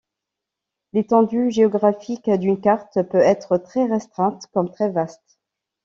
L'étendue géographique d'une carte peut être très restreinte comme très vaste.